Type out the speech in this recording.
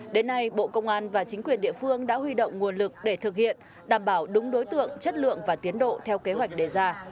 đến nay bộ công an và chính quyền địa phương đã huy động nguồn lực để thực hiện đảm bảo đúng đối tượng chất lượng và tiến độ theo kế hoạch đề ra